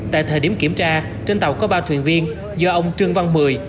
tại thời điểm kiểm tra trên tàu có ba thuyền viên do ông trương văn mười